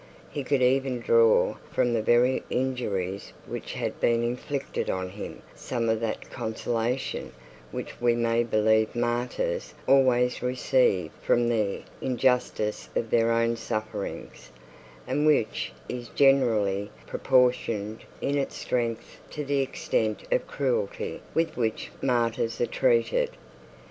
He could even draw from the very injuries, which had been inflicted on him, some of that consolation, which we may believe martyrs always receive from the injuries of their own sufferings, and which is generally proportioned in it strength to the extent of cruelty with which martyrs are treated.